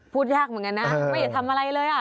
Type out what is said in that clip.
พูดยากเหมือนกันนะไม่อยากทำอะไรเลย